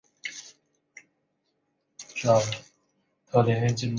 该建筑系两栋单独的房子合并而成。